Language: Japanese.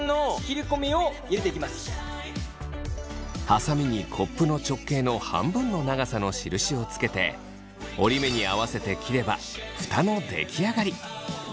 ハサミにコップの直径の半分の長さの印をつけて折り目に合わせて切ればフタの出来上がり。